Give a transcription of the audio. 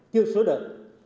chưa sửa được